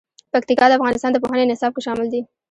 پکتیکا د افغانستان د پوهنې نصاب کې شامل دي.